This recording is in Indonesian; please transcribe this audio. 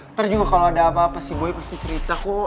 ntar juga kalau ada apa apa si bui pasti cerita kok